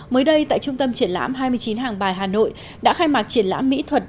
mới đây tại trung tâm triển lãm hai mươi chín hàng bài hà nội đã khai mạc triển lãm mỹ thuật